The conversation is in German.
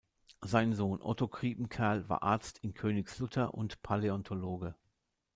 Sein Sohn Otto Griepenkerl war Arzt in Königslutter und Paläontologe.